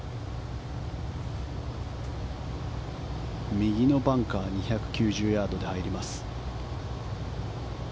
右のバンカー２９０ヤードで入ります。